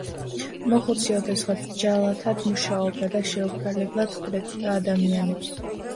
მოხუცი ოდესღაც ჯალათად მუშაობდა და შეუბრალებლად ხვრეტდა ადამიანებს